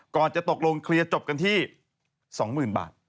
ก่อนจะตกลงเคลียร์จบกันที่๒หมื่นบาท